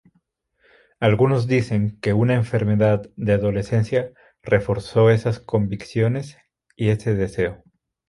Algunos dicen que una enfermedad de adolescencia reforzó esas convicciones y ese deseo.